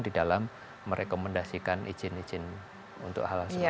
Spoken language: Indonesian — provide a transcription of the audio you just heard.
di dalam merekomendasikan izin izin untuk hal hal seperti ini